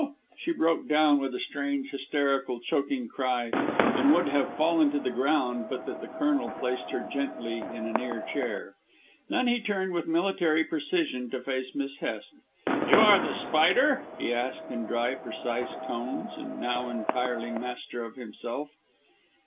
She broke down with a strange, hysterical, choking cry, and would have fallen to the ground but that the Colonel placed her gently in a near chair. Then he turned with military precision to face Miss Hest. "You are The Spider?" he asked in dry, precise tones, and now entirely master of himself.